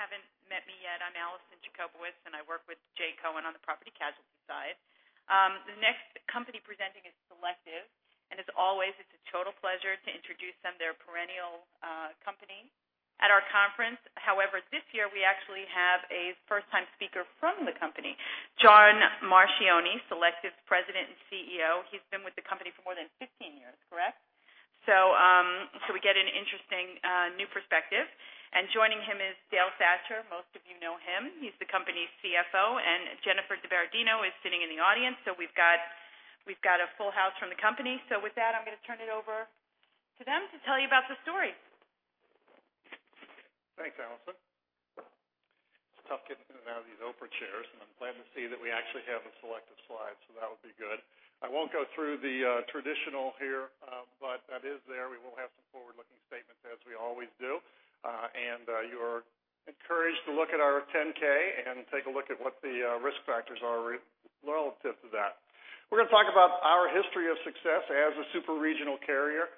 Those of you who haven't met me yet, I'm Alison Jakubowicz, and I work with J. Cohen on the property casualty side. The next company presenting is Selective, and as always, it's a total pleasure to introduce them. They're a perennial company at our conference. However, this year we actually have a first-time speaker from the company, John Marchioni, Selective's President and Chief Operating Officer. He's been with the company for more than 15 years, correct? We get an interesting new perspective. Joining him is Dale Thatcher. Most of you know him. He's the company's CFO. Jennifer DiBardino is sitting in the audience. We've got a full house from the company. With that, I'm going to turn it over to them to tell you about the story. Thanks, Alison. It's tough getting in and out of these Oprah chairs, and I'm glad to see that we actually have the Selective slide, so that will be good. I won't go through the traditional here, but that is there. We will have some forward-looking statements as we always do. You're encouraged to look at our 10-K and take a look at what the risk factors are relative to that. We're going to talk about our history of success as a super regional carrier.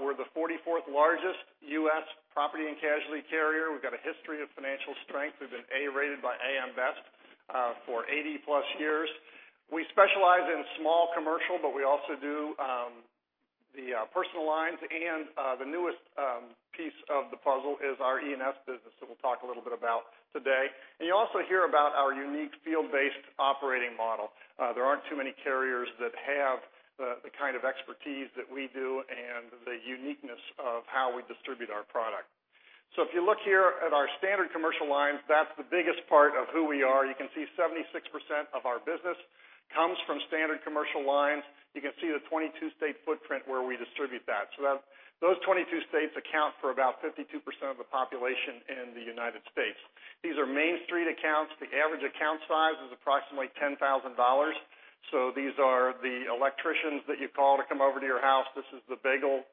We're the 44th largest U.S. property and casualty carrier. We've got a history of financial strength. We've been A-rated by AM Best for 80-plus years. We specialize in small commercial, but we also do the Personal Lines, and the newest piece of the puzzle is our E&S business, that we'll talk a little bit about today. You'll also hear about our unique field-based operating model. There aren't too many carriers that have the kind of expertise that we do and the uniqueness of how we distribute our product. If you look here at our Standard Commercial Lines, that's the biggest part of who we are. You can see 76% of our business comes from Standard Commercial Lines. You can see the 22-state footprint where we distribute that. Those 22 states account for about 52% of the population in the United States. These are Main Street accounts. The average account size is approximately $10,000. These are the electricians that you call to come over to your house. This is the bagel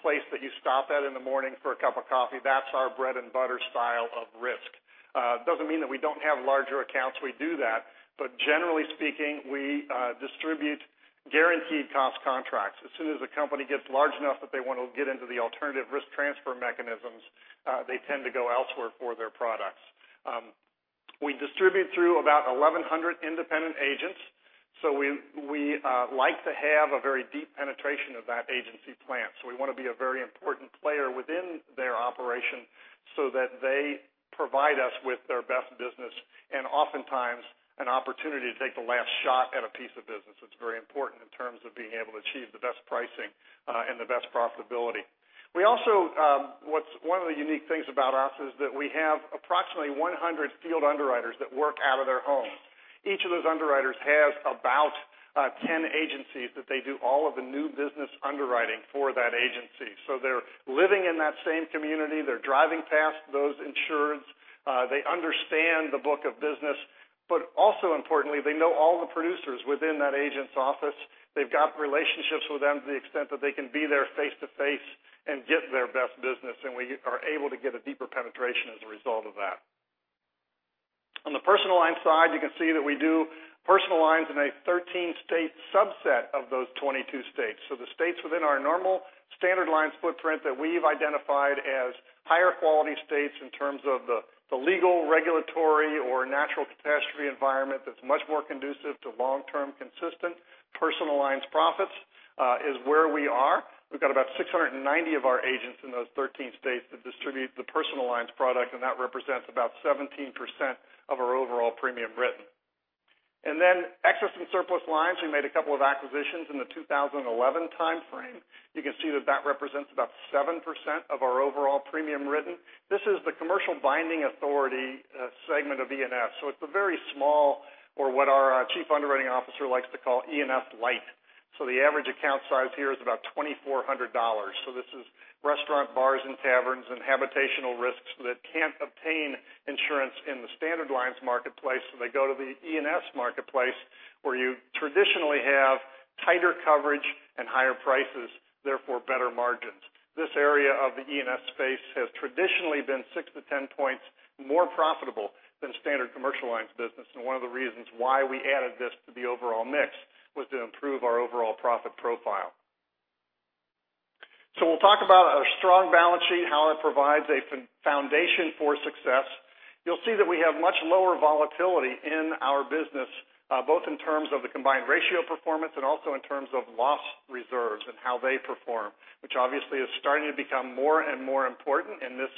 place that you stop at in the morning for a cup of coffee. That's our bread-and-butter style of risk. It doesn't mean that we don't have larger accounts. We do that, but generally speaking, we distribute guaranteed cost contracts. As soon as the company gets large enough that they want to get into the alternative risk transfer mechanisms, they tend to go elsewhere for their products. We distribute through about 1,100 independent agents, so we like to have a very deep penetration of that agency plan. We want to be a very important player within their operation so that they provide us with their best business and oftentimes an opportunity to take the last shot at a piece of business. That's very important in terms of being able to achieve the best pricing and the best profitability. One of the unique things about us is that we have approximately 100 field underwriters that work out of their homes. Each of those underwriters has about 10 agencies that they do all of the new business underwriting for that agency. They're living in that same community, they're driving past those insureds. They understand the book of business, but also importantly, they know all the producers within that agent's office. They've got relationships with them to the extent that they can be there face-to-face and get their best business, and we are able to get a deeper penetration as a result of that. On the Personal Lines side, you can see that we do Personal Lines in a 13-state subset of those 22 states. The states within our normal standard lines footprint that we've identified as higher quality states in terms of the legal, regulatory, or natural catastrophe environment that's much more conducive to long-term consistent Personal Lines profits, is where we are. We've got about 690 of our agents in those 13 states that distribute the Personal Lines product, and that represents about 17% of our overall premium written. Excess and Surplus Lines, we made a couple of acquisitions in the 2011 timeframe. You can see that that represents about 7% of our overall premium written. This is the commercial binding authority segment of E&S. It's a very small, or what our chief underwriting officer likes to call E&S light. The average account size here is about $2,400. This is restaurant, bars, and taverns, and habitational risks that can't obtain insurance in the standard lines marketplace. They go to the E&S marketplace, where you traditionally have tighter coverage and higher prices, therefore better margins. This area of the E&S space has traditionally been six to 10 points more profitable than a Standard Commercial Lines business, and one of the reasons why we added this to the overall mix was to improve our overall profit profile. We'll talk about our strong balance sheet, how it provides a foundation for success. You'll see that we have much lower volatility in our business, both in terms of the combined ratio performance and also in terms of loss reserves and how they perform, which obviously is starting to become more and more important in this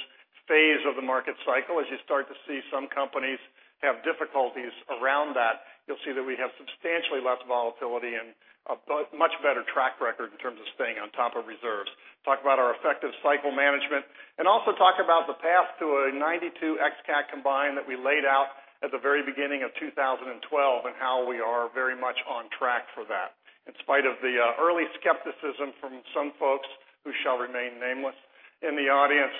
phase of the market cycle. As you start to see some companies have difficulties around that, you'll see that we have substantially less volatility and a much better track record in terms of staying on top of reserves. Talk about our effective cycle management, also talk about the path to a 92 ex-CAT combined that we laid out at the very beginning of 2012, and how we are very much on track for that. In spite of the early skepticism from some folks who shall remain nameless in the audience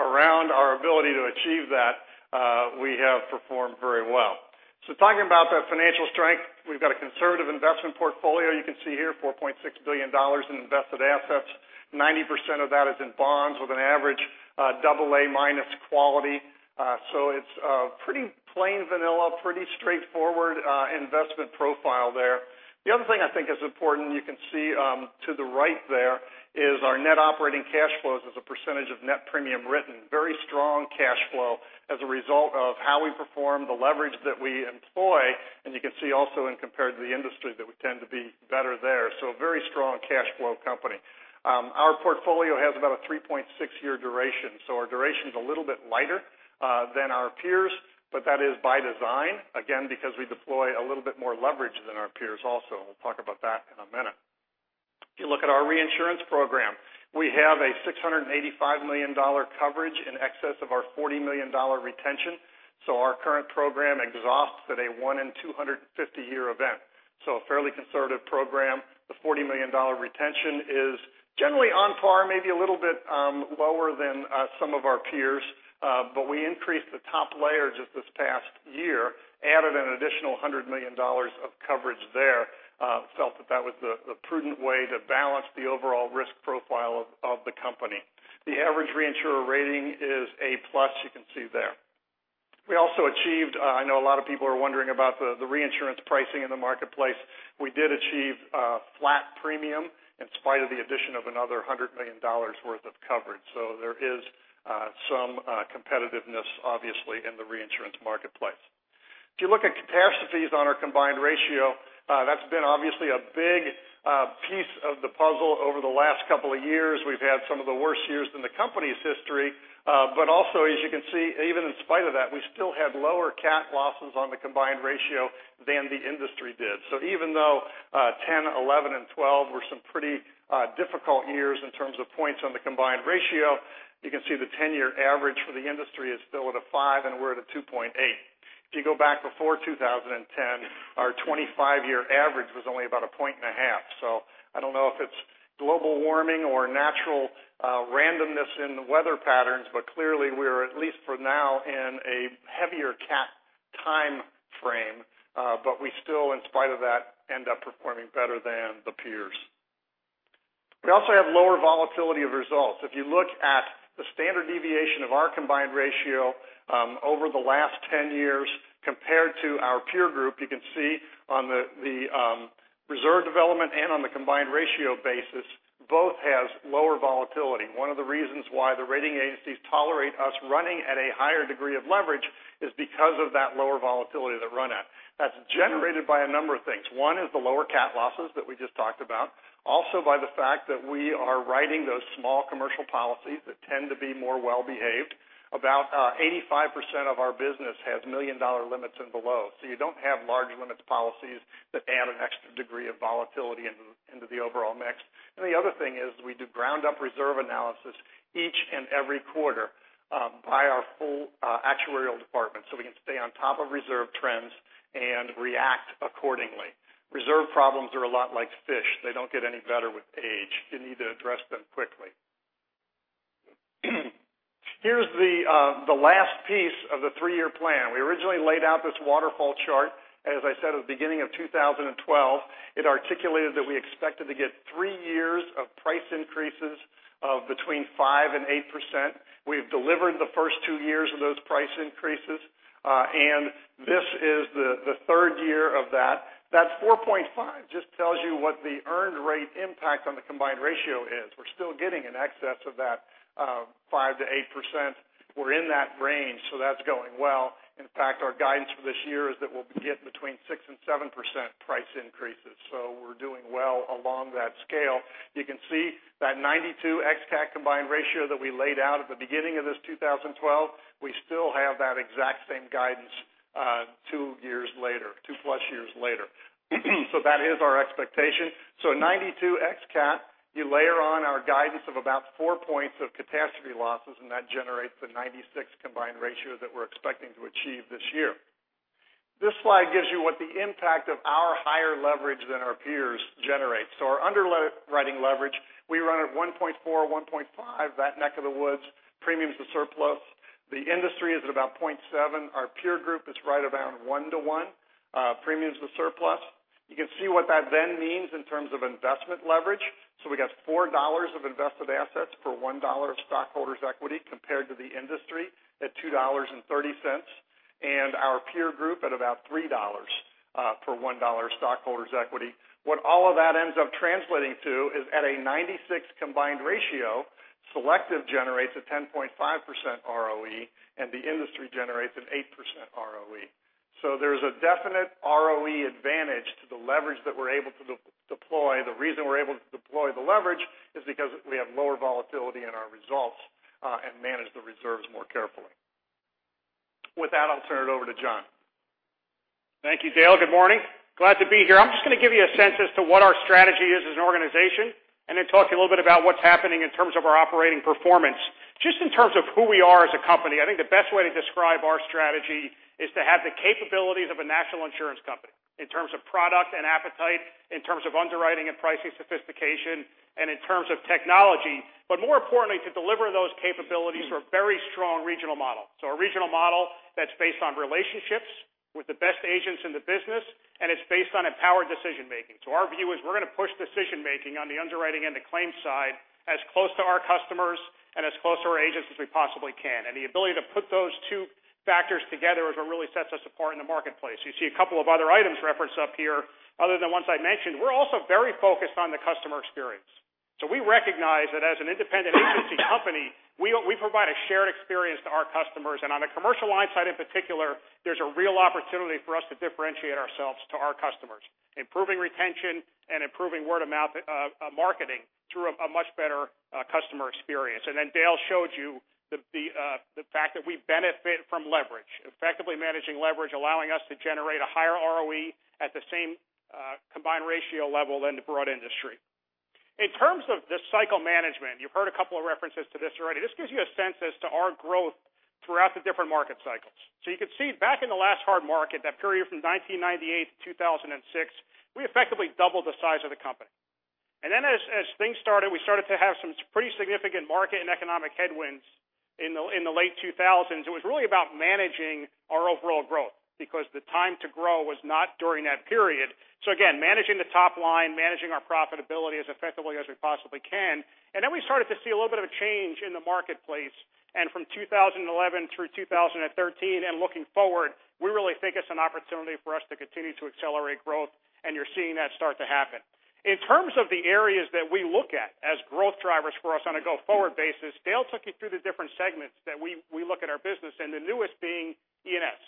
around our ability to achieve that, we have performed very well. Talking about that financial strength, we've got a conservative investment portfolio. You can see here, $4.6 billion in invested assets. 90% of that is in bonds with an average double A minus quality. It's pretty plain vanilla, pretty straightforward investment profile there. The other thing I think is important, you can see to the right there, is our net operating cash flows as a percentage of net premium written. Very strong cash flow as a result of how we perform, the leverage that we employ. You can see also when compared to the industry that we tend to be better there. A very strong cash flow company. Our portfolio has about a 3.6-year duration, so our duration is a little bit lighter than our peers, but that is by design, again, because we deploy a little bit more leverage than our peers also, and we'll talk about that in a minute. If you look at our reinsurance program, we have a $685 million coverage in excess of our $40 million retention. Our current program exhausts at a 1 in 250-year event. A fairly conservative program. The $40 million retention is generally on par, maybe a little bit lower than some of our peers. We increased the top layer just this past year, added an additional $100 million of coverage there. Felt that that was the prudent way to balance the overall risk profile of the company. The average reinsurer rating is A+, you can see there. We also achieved, I know a lot of people are wondering about the reinsurance pricing in the marketplace. We did achieve a flat premium in spite of the addition of another $100 million worth of coverage. There is some competitiveness, obviously, in the reinsurance marketplace. If you look at catastrophes on our combined ratio, that's been obviously a big piece of the puzzle over the last couple of years. We've had some of the worst years in the company's history. Also, as you can see, even in spite of that, we still had lower cat losses on the combined ratio than the industry did. Even though 2010, 2011, and 2012 were some pretty difficult years in terms of points on the combined ratio, you can see the 10-year average for the industry is still at a 5, and we're at a 2.8. If you go back before 2010, our 25-year average was only about a point and a half. I don't know if it's global warming or natural randomness in the weather patterns, but clearly we're, at least for now, in a heavier cat time frame. We still, in spite of that, end up performing better than the peers. We also have lower volatility of results. If you look at the standard deviation of our combined ratio over the last 10 years compared to our peer group, you can see on the reserve development and on the combined ratio basis, both has lower volatility. One of the reasons why the rating agencies tolerate us running at a higher degree of leverage is because of that lower volatility that run at. That's generated by a number of things. One is the lower cat losses that we just talked about. Also by the fact that we are writing those small commercial policies that tend to be more well behaved. About 85% of our business has million dollar limits and below, so you don't have large limits policies that add an extra degree of volatility into the overall mix. The other thing is we do ground up reserve analysis each and every quarter by our full actuarial department, so we can stay on top of reserve trends and react accordingly. Reserve problems are a lot like fish. They don't get any better with age. You need to address them quickly. Here's the last piece of the three year plan. We originally laid out this waterfall chart, as I said, at the beginning of 2012. It articulated that we expected to get three years of price increases of between 5%-8%. We've delivered the first two years of those price increases. This is the third year of that. That 4.5 just tells you what the earned rate impact on the combined ratio is. We're still getting in excess of that 5%-8%. We're in that range, that's going well. In fact, our guidance for this year is that we'll be getting between 6%-7% price increases. We're doing well along that scale. You can see that 92 ex-CAT combined ratio that we laid out at the beginning of this 2012, we still have that exact same guidance two years later, two plus years later. That is our expectation. At 92 ex-CAT, you layer on our guidance of about four points of catastrophe losses, and that generates the 96 combined ratio that we're expecting to achieve this year. This slide gives you what the impact of our higher leverage than our peers generates. Our underwriting leverage, we run at 1.4, 1.5, that neck of the woods, premiums to surplus. The industry is at about 0.7. Our peer group is right around 1 to 1 premiums to surplus. You can see what that then means in terms of investment leverage. We got $4 of invested assets per $1 of stockholders' equity compared to the industry at $2.30. Our peer group at about $3 per $1 stockholders' equity. What all of that ends up translating to is at a 96 combined ratio, Selective generates a 10.5% ROE, and the industry generates an 8% ROE. There's a definite ROE advantage to the leverage that we're able to deploy. The reason we're able to deploy the leverage is because we have lower volatility in our results and manage the reserves more carefully. With that, I'll turn it over to John. Thank you, Dale. Good morning. Glad to be here. I'm just going to give you a sense as to what our strategy is as an organization, and then talk to you a little bit about what's happening in terms of our operating performance. Just in terms of who we are as a company, I think the best way to describe our strategy is to have the capabilities of a national insurance company in terms of product and appetite, in terms of underwriting and pricing sophistication, and in terms of technology, but more importantly, to deliver those capabilities through a very strong regional model. A regional model that's based on relationships with the best agents in the business, and it's based on empowered decision-making. Our view is we're going to push decision-making on the underwriting and the claims side as close to our customers and as close to our agents as we possibly can. The ability to put those two factors together is what really sets us apart in the marketplace. You see a couple of other items referenced up here other than ones I mentioned. We're also very focused on the customer experience. We recognize that as an independent agency company, we provide a shared experience to our customers. On the commercial line side in particular, there's a real opportunity for us to differentiate ourselves to our customers, improving retention and improving word-of-mouth marketing through a much better customer experience. Dale showed you the fact that we benefit from leverage, effectively managing leverage, allowing us to generate a higher ROE at the same combined ratio level than the broad industry. In terms of the cycle management, you've heard a couple of references to this already. This gives you a sense as to our growth throughout the different market cycles. You can see back in the last hard market, that period from 1998 to 2006, we effectively doubled the size of the company. As things started, we started to have some pretty significant market and economic headwinds in the late 2000s. It was really about managing our overall growth because the time to grow was not during that period. Again, managing the top line, managing our profitability as effectively as we possibly can. We started to see a little bit of a change in the marketplace. From 2011 through 2013 and looking forward, we really think it's an opportunity for us to continue to accelerate growth, and you're seeing that start to happen. In terms of the areas that we look at as growth drivers for us on a go-forward basis, Dale took you through the different segments that we look at our business, and the newest being E&S.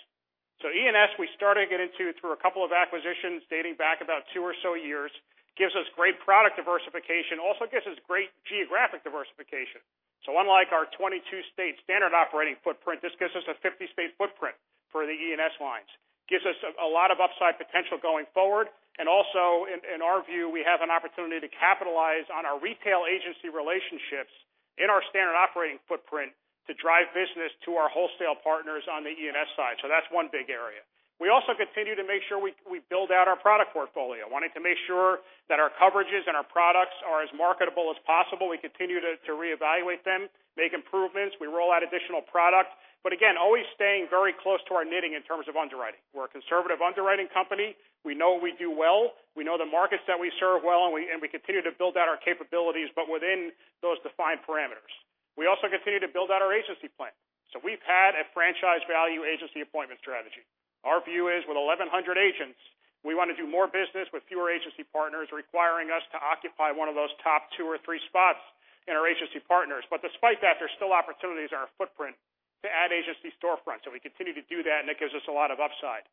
E&S, we started getting into through a couple of acquisitions dating back about two or so years. Gives us great product diversification, also gives us great geographic diversification. Unlike our 22-state standard operating footprint, this gives us a 50-state footprint for the E&S lines. Gives us a lot of upside potential going forward. Also, in our view, we have an opportunity to capitalize on our retail agency relationships in our standard operating footprint to drive business to our wholesale partners on the E&S side. That's one big area. We also continue to make sure we build out our product portfolio, wanting to make sure that our coverages and our products are as marketable as possible. We continue to reevaluate them, make improvements. We roll out additional product, again, always staying very close to our knitting in terms of underwriting. We're a conservative underwriting company. We know we do well, we know the markets that we serve well, and we continue to build out our capabilities, but within those defined parameters. We also continue to build out our agency plan. We've had a franchise value agency appointment strategy. Our view is, with 1,100 agents, we want to do more business with fewer agency partners, requiring us to occupy one of those top two or three spots in our agency partners. Despite that, there's still opportunities in our footprint to add agency storefronts. We continue to do that, and it gives us a lot of upside.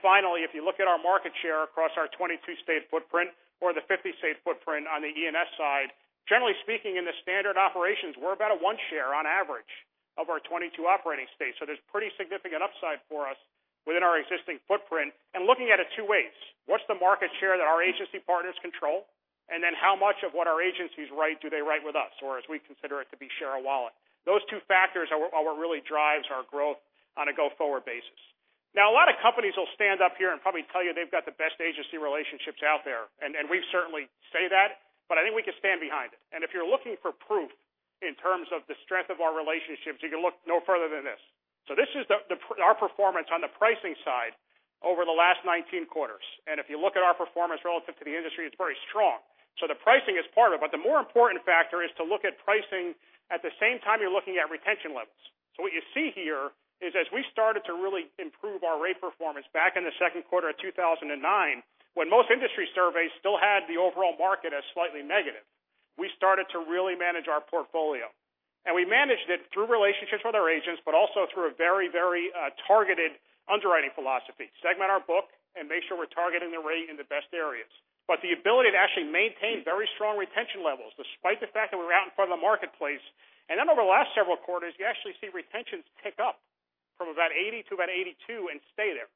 Finally, if you look at our market share across our 22-state footprint or the 50-state footprint on the E&S side, generally speaking, in the standard operations, we're about a one share on average of our 22 operating states. There's pretty significant upside for us within our existing footprint. Looking at it two ways, what's the market share that our agency partners control? Then how much of what our agencies write do they write with us? Or as we consider it to be share of wallet. Those two factors are what really drives our growth on a go-forward basis. Now, a lot of companies will stand up here and probably tell you they've got the best agency relationships out there, and we certainly say that, but I think we can stand behind it. If you're looking for proof in terms of the strength of our relationships, you can look no further than this. This is our performance on the pricing side over the last 19 quarters. If you look at our performance relative to the industry, it's very strong. The pricing is part of it, but the more important factor is to look at pricing at the same time you're looking at retention levels. What you see here is as we started to really improve our rate performance back in the second quarter of 2009, when most industry surveys still had the overall market as slightly negative, we started to really manage our portfolio. We managed it through relationships with our agents, but also through a very targeted underwriting philosophy. Segment our book and make sure we're targeting the rate in the best areas. The ability to actually maintain very strong retention levels, despite the fact that we're out in front of the marketplace. Over the last several quarters, you actually see retentions tick up from about 80 to about 82 and stay there.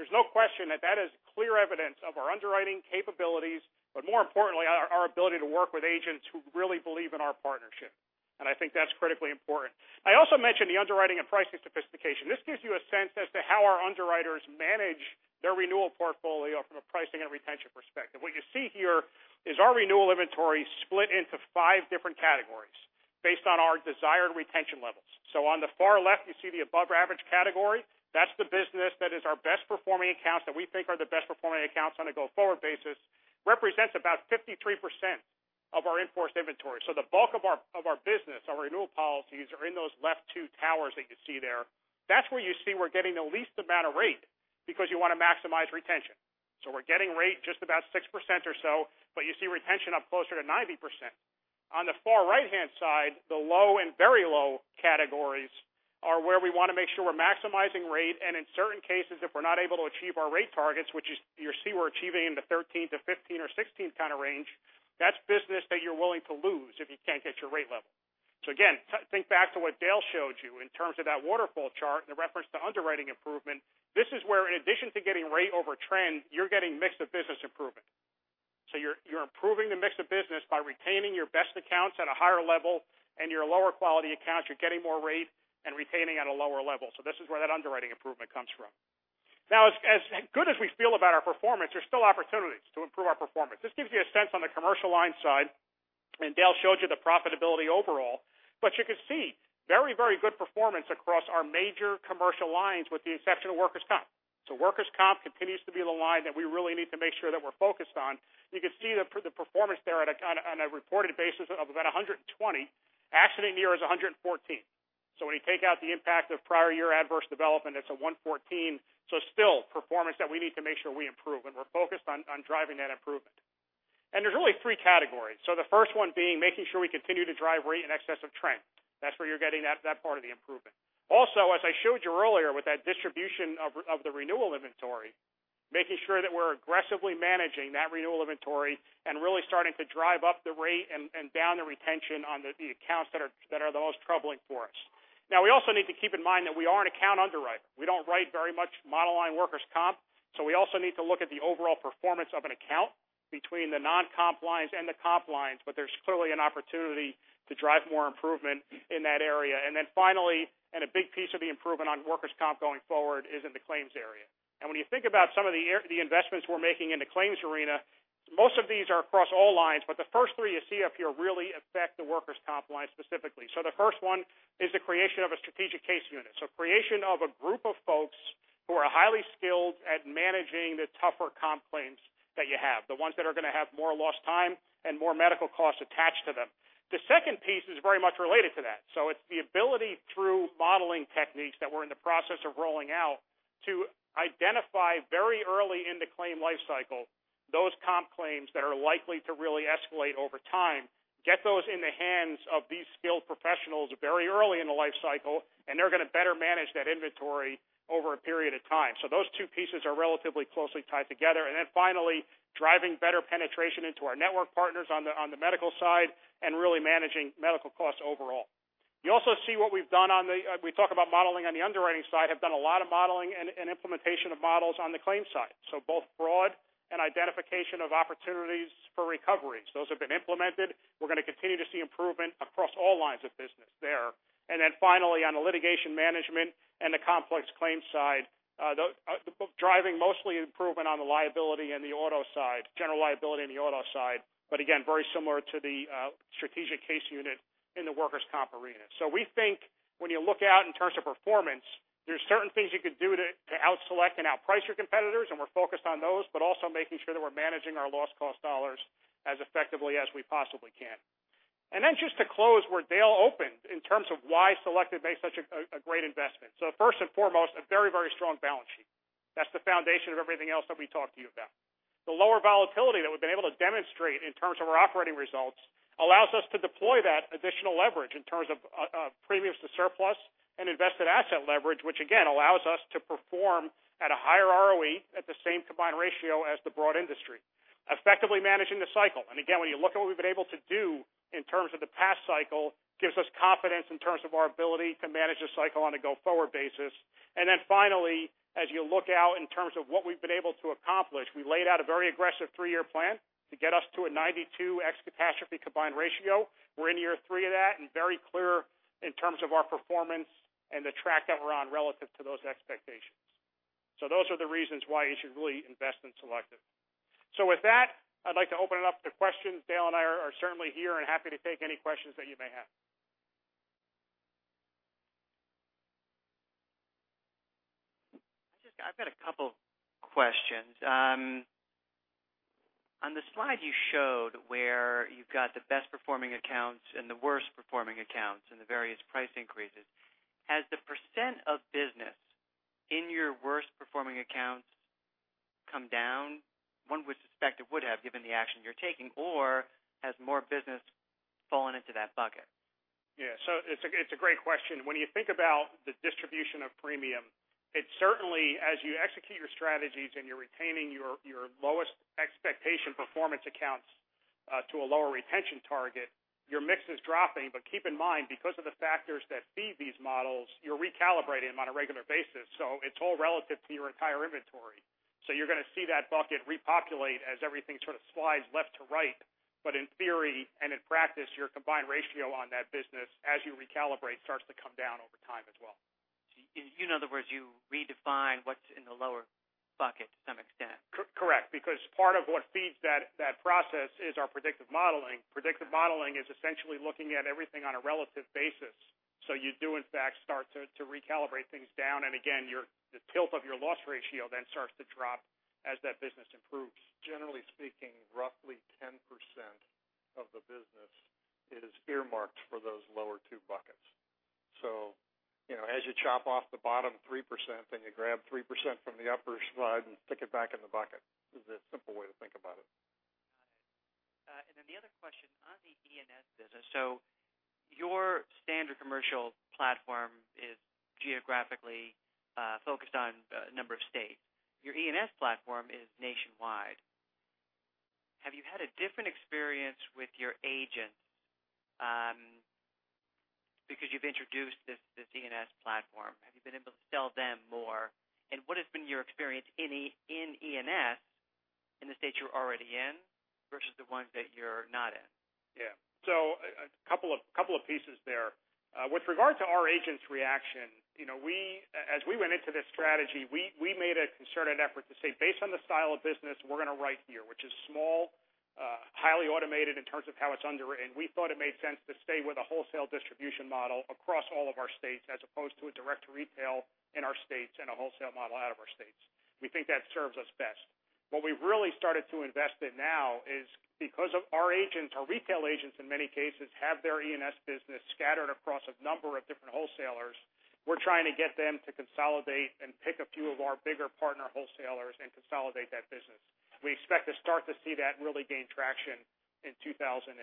There's no question that that is clear evidence of our underwriting capabilities, but more importantly, our ability to work with agents who really believe in our partnership, and I think that's critically important. I also mentioned the underwriting and pricing sophistication. This gives you a sense as to how our underwriters manage their renewal portfolio from a pricing and retention perspective. What you see here is our renewal inventory split into five different categories based on our desired retention levels. On the far left, you see the above-average category. That's the business that is our best performing accounts, that we think are the best performing accounts on a go-forward basis. Represents about 53% of our in-force inventory. The bulk of our business, our renewal policies, are in those left two towers that you see there. That's where you see we're getting the least amount of rate because you want to maximize retention. We're getting rate just about 6% or so, but you see retention up closer to 90%. On the far right-hand side, the low and very low categories are where we want to make sure we're maximizing rate. In certain cases, if we're not able to achieve our rate targets, which you see we're achieving in the 13-15 or 16 kind of range, that's business that you're willing to lose if you can't get your rate level. Again, think back to what Dale Thatcher showed you in terms of that waterfall chart in reference to underwriting improvement. This is where, in addition to getting rate over trend, you're getting mix of business improvement. You're improving the mix of business by retaining your best accounts at a higher level, and your lower quality accounts, you're getting more rate and retaining at a lower level. This is where that underwriting improvement comes from. As good as we feel about our performance, there's still opportunities to improve our performance. This gives you a sense on the commercial line side, Dale Thatcher showed you the profitability overall. You can see very, very good performance across our major commercial lines, with the exception of Workers' Comp. Workers' Comp continues to be the line that we really need to make sure that we're focused on. You can see the performance there on a reported basis of about 120. accident year is 114. When you take out the impact of prior year adverse development, it's a 114. Still, performance that we need to make sure we improve, and we're focused on driving that improvement. There's really three categories. The first one being making sure we continue to drive rate in excess of trend. That's where you're getting that part of the improvement. Also, as I showed you earlier with that distribution of the renewal inventory, making sure that we're aggressively managing that renewal inventory and really starting to drive up the rate and down the retention on the accounts that are the most troubling for us. We also need to keep in mind that we are an account underwriter. We don't write very much monoline Workers' Comp, so we also need to look at the overall performance of an account between the non-comp lines and the comp lines, but there's clearly an opportunity to drive more improvement in that area. Then finally, and a big piece of the improvement on Workers' Comp going forward is in the claims area. When you think about some of the investments we're making in the claims arena, most of these are across all lines, but the first three you see up here really affect the Workers' Comp line specifically. The first one is the creation of a strategic case unit. Creation of a group of folks who are highly skilled at managing the tougher comp claims that you have, the ones that are going to have more lost time and more medical costs attached to them. The second piece is very much related to that. It's the ability through modeling techniques that we're in the process of rolling out to identify very early in the claim lifecycle, those comp claims that are likely to really escalate over time, get those in the hands of these skilled professionals very early in the lifecycle, and they're going to better manage that inventory over a period of time. Those two pieces are relatively closely tied together. Finally, driving better penetration into our network partners on the medical side and really managing medical costs overall. You also see what we've done. We talk about modeling on the underwriting side, have done a lot of modeling and implementation of models on the claims side. Both broad and identification of opportunities for recoveries. Those have been implemented. We're going to continue to see improvement across all lines of business there. Finally, on the litigation management and the complex claims side, driving mostly improvement on the liability and the auto side, General Liability and the auto side. But again, very similar to the strategic case unit in the Workers' Comp arena. We think when you look out in terms of performance, there's certain things you could do to out-select and out-price your competitors, and we're focused on those, but also making sure that we're managing our loss cost dollars as effectively as we possibly can. Just to close where Dale opened in terms of why Selective makes such a great investment. First and foremost, a very, very strong balance sheet. That's the foundation of everything else that we talked to you about. The lower volatility that we've been able to demonstrate in terms of our operating results allows us to deploy that additional leverage in terms of premiums to surplus and invested asset leverage, which again, allows us to perform at a higher ROE at the same combined ratio as the broad industry. Effectively managing the cycle. Again, when you look at what we've been able to do in terms of the past cycle, gives us confidence in terms of our ability to manage the cycle on a go-forward basis. Finally, as you look out in terms of what we've been able to accomplish, we laid out a very aggressive three-year plan to get us to a 92 ex-catastrophe combined ratio. We're in year three of that and very clear in terms of our performance and the track that we're on relative to those expectations. Those are the reasons why you should really invest in Selective. With that, I'd like to open it up to questions. Dale and I are certainly here and happy to take any questions that you may have. I've got a couple questions. On the slide you showed where you've got the best performing accounts and the worst performing accounts and the various price increases, has the % of business in your worst performing accounts come down? One would suspect it would have, given the action you're taking, or has more business fallen into that bucket? Yeah. It's a great question. When you think about the distribution of premium, it certainly, as you execute your strategies and you're retaining your lowest expectation performance accounts to a lower retention target, your mix is dropping. Keep in mind, because of the factors that feed these models, you're recalibrating them on a regular basis. It's all relative to your entire inventory. You're going to see that bucket repopulate as everything sort of slides left to right. In theory and in practice, your combined ratio on that business, as you recalibrate, starts to come down over time as well. In other words, you redefine what's in the lower bucket to some extent. Correct, because part of what feeds that process is our predictive modeling. Predictive modeling is essentially looking at everything on a relative basis. You do in fact, start to recalibrate things down. Again, the tilt of your loss ratio then starts to drop as that business improves. Generally speaking, roughly 10% of the business is earmarked for those lower two buckets. As you chop off the bottom 3%, you grab 3% from the upper slide and stick it back in the bucket, is a simple way to think about it. Got it. The other question on the E&S business. Your Standard Commercial Lines platform is geographically focused on a number of states. Your E&S platform is nationwide. Have you had a different experience with your agents? Because you've introduced this E&S platform, have you been able to sell them more? What has been your experience in E&S in the states you're already in versus the ones that you're not in? Yeah. A couple of pieces there. With regard to our agents' reaction, as we went into this strategy, we made a concerted effort to say, based on the style of business, we're going to write here, which is small, highly automated in terms of how it's underwritten. We thought it made sense to stay with a wholesale distribution model across all of our states as opposed to a direct-to-retail in our states and a wholesale model out of our states. We think that serves us best. What we really started to invest in now is because of our agents, our retail agents, in many cases, have their E&S business scattered across a number of different wholesalers. We're trying to get them to consolidate and pick a few of our bigger partner wholesalers and consolidate that business. We expect to start to see that really gain traction in 2014.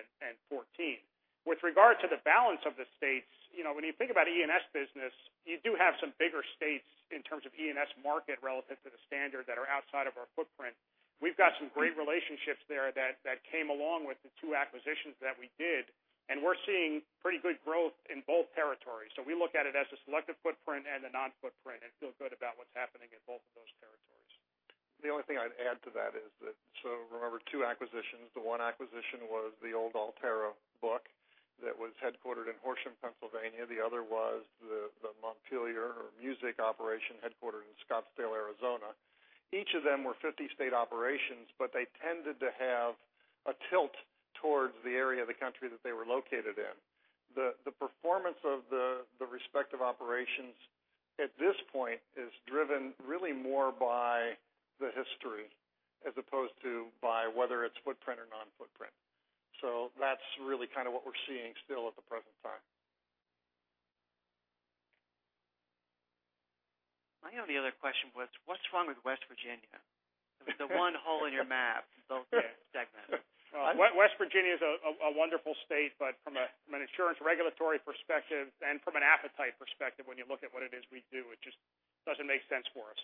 With regard to the balance of the states, when you think about E&S business, you do have some bigger states in terms of E&S market relative to the standard that are outside of our footprint. We've got some great relationships there that came along with the two acquisitions that we did, and we're seeing pretty good growth in both territories. We look at it as a Selective footprint and a non-footprint and feel good about what's happening in both of those territories. Remember, two acquisitions. The one acquisition was the old Alterra book that was headquartered in Horsham, Pennsylvania. The other was the Montpelier U.S. Insurance Company operation, headquartered in Scottsdale, Arizona. Each of them were 50-state operations, they tended to have a tilt towards the area of the country that they were located in. The performance of the respective operations at this point is driven really more by the history as opposed to by whether it's footprint or non-footprint. That's really kind of what we're seeing still at the present time. My only other question was, what's wrong with West Virginia? The one hole in your map segment. West Virginia is a wonderful state, from an insurance regulatory perspective and from an appetite perspective, when you look at what it is we do, it just doesn't make sense for us.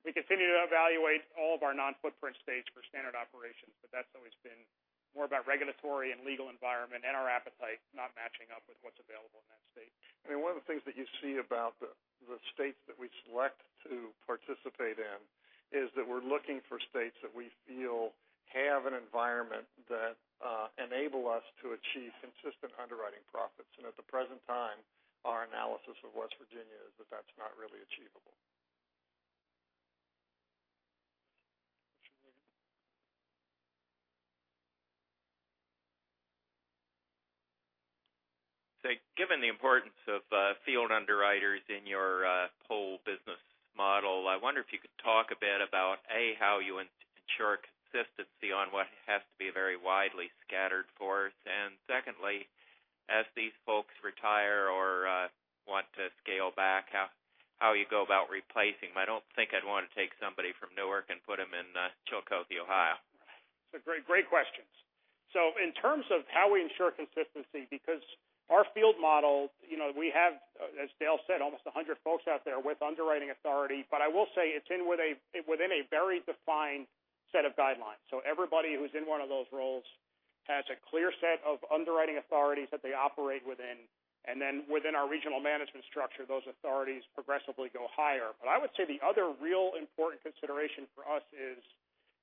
We continue to evaluate all of our non-footprint states for standard operations, that's always been more about regulatory and legal environment and our appetite not matching up with what's available in that state. I mean, one of the things that you see about the states that we select to participate in is that we're looking for states that we feel have an environment that enable us to achieve consistent underwriting profits. At the present time, our analysis of West Virginia is that that's not really achievable. What's your name again? Given the importance of field underwriters in your whole business model, I wonder if you could talk a bit about, A. how you ensure consistency on what has to be a very widely scattered force. Secondly, as these folks retire or want to scale back, how you go about replacing them. I don't think I'd want to take somebody from Newark and put them in Chillicothe, Ohio. Great questions. In terms of how we ensure consistency, because our field model, we have, as Dale said, almost 100 folks out there with underwriting authority. I will say it's within a very defined set of guidelines. Everybody who's in one of those roles has a clear set of underwriting authorities that they operate within. Then within our regional management structure, those authorities progressively go higher. I would say the other real important consideration for us is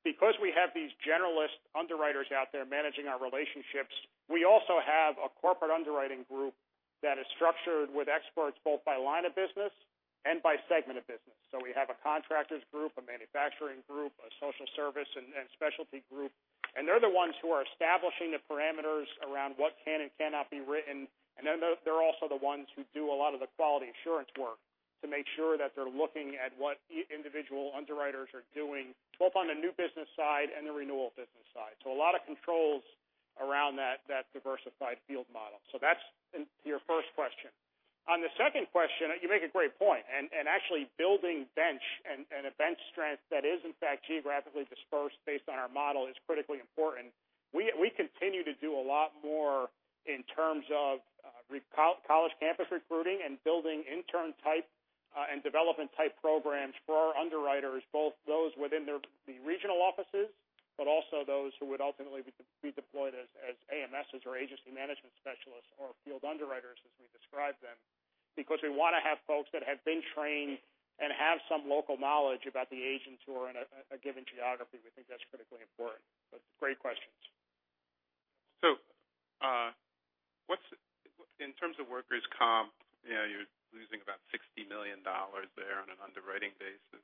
because we have these generalist underwriters out there managing our relationships, we also have a corporate underwriting group that is structured with experts both by line of business and by segment of business. We have a contractors group, a manufacturing group, a social service, and specialty group, and they're the ones who are establishing the parameters around what can and cannot be written. They're also the ones who do a lot of the quality assurance work to make sure that they're looking at what individual underwriters are doing both on the new business side and the renewal business side. A lot of controls around that diversified field model. That's your first question. On the second question, you make a great point. Actually building bench and a bench strength that is, in fact, geographically dispersed based on our model is critically important. We continue to do a lot more in terms of college campus recruiting and building intern type and development type programs for our underwriters, both those within the regional offices, also those who would ultimately be deployed as AMS or agency management specialists or field underwriters as we describe them because we want to have folks that have been trained and have some local knowledge about the agents who are in a given geography. We think that's critically important. Great questions. In terms of Workers' Compensation, you're losing about $60 million there on an underwriting basis.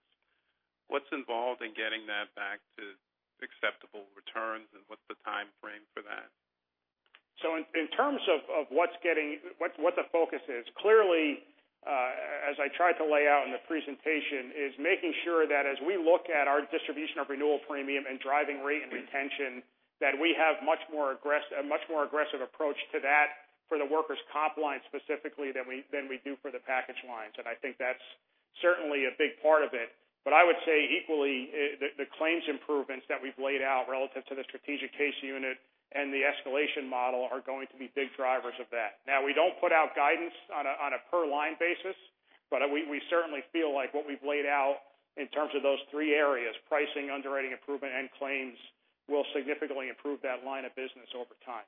What's involved in getting that back to acceptable returns and what's the timeframe for that? In terms of what the focus is, clearly, as I tried to lay out in the presentation, is making sure that as we look at our distribution of renewal premium and driving rate and retention, that we have a much more aggressive approach to that for the Workers' Compensation line specifically than we do for the package lines. I think that's certainly a big part of it. I would say equally, the claims improvements that we've laid out relative to the strategic case unit and the escalation model are going to be big drivers of that. We don't put out guidance on a per-line basis, we certainly feel like what we've laid out in terms of those three areas, pricing, underwriting improvement, and claims, will significantly improve that line of business over time.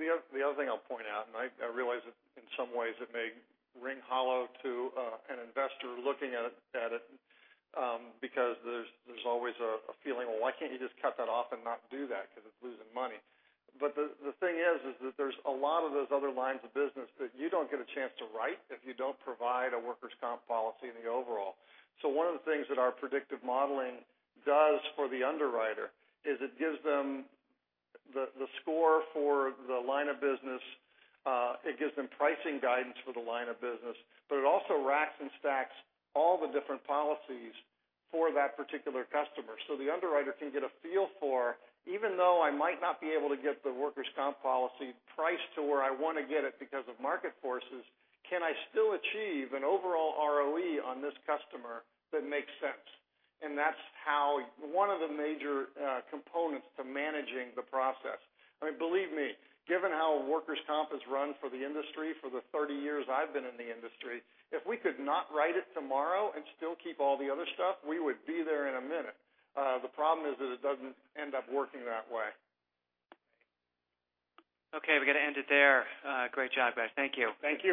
The other thing I'll point out, I realize that in some ways it may ring hollow to an investor looking at it because there's always a feeling, well, why can't you just cut that off and not do that because it's losing money? The thing is that there's a lot of those other lines of business that you don't get a chance to write if you don't provide a Workers' Compensation policy in the overall. One of the things that our predictive modeling does for the underwriter is it gives them the score for the line of business. It gives them pricing guidance for the line of business, but it also racks and stacks all the different policies for that particular customer so the underwriter can get a feel for, even though I might not be able to get the Workers' Compensation policy priced to where I want to get it because of market forces, can I still achieve an overall ROE on this customer that makes sense? That's one of the major components to managing the process. I mean, believe me, given how Workers' Compensation has run for the industry for the 30 years I've been in the industry, if we could not write it tomorrow and still keep all the other stuff, we would be there in a minute. The problem is that it doesn't end up working that way. Okay, we got to end it there. Great job, guys. Thank you. Thank you.